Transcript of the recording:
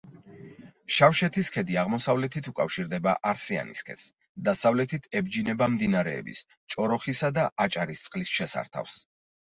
შავშეთის ქედი აღმოსავლეთით უკავშირდება არსიანის ქედს, დასავლეთით ებჯინება მდინარეების ჭოროხისა და აჭარისწყლის შესართავს.